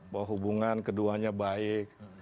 bahwa hubungan keduanya baik